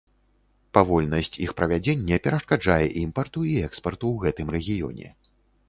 Павольнасць іх правядзення перашкаджае імпарту і экспарту ў гэтым рэгіёне.